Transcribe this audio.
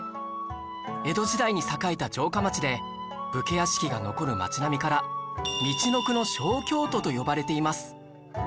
江戸時代に栄えた城下町で武家屋敷が残る町並みから「みちのくの小京都」と呼ばれています